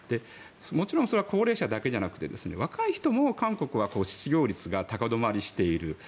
もちろんそれは高齢者だけじゃなくて若い人も韓国は失業率が高止まりしている。